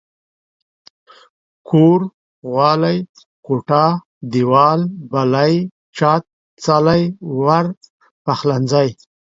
کور ، غولی، کوټه، ديوال، بلۍ، چت، څلی، ور، پخلنځي